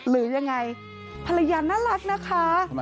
หรือยังไงภรรยาน่ารักนะคะ